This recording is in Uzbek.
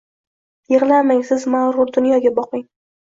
Yiglamang siz magrur dunyoga boqing